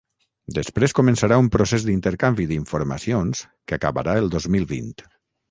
Després començarà un procés d’intercanvi d’informacions que acabarà el dos mil vint.